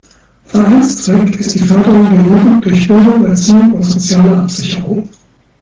Vereinszweck ist die Förderung der Jugend durch Bildung, Erziehung und soziale Absicherung.